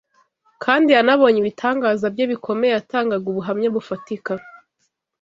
kandi yanabonye ibitangaza bye bikomeye Yatangaga ubuhamya bufatika,